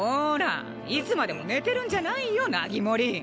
いつまでも寝てるんじゃないよナギモリ！